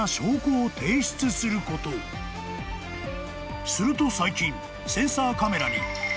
［すると最近センサーカメラに］